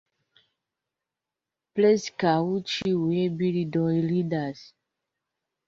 Preskaŭ ĉiuj birdoj ridas.